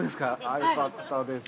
ああ、よかったです。